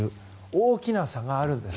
大きな差があるんです。